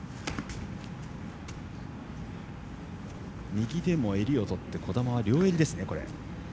右でも襟をとって児玉は両襟ですね。